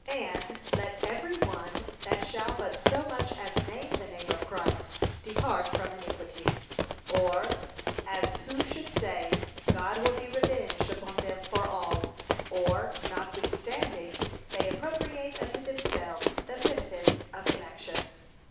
And, 'let every one that shall but so much as name the name of Christ, depart from iniquity;' or, as who should say, God will be revenged upon them for all, or, notwithstanding, they appropriate unto themselves the benefits of election.